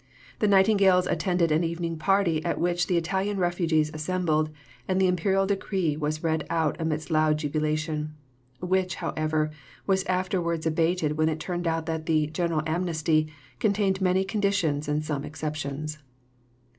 The Nightingales attended an evening party at which the Italian refugees assembled and the Imperial decree was read out amidst loud jubilation; which, however, was afterwards abated when it turned out that the "general amnesty" contained many conditions and some exceptions.